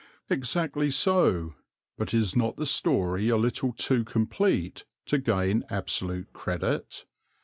Exactly so, but is not the story a little too complete to gain absolute credit?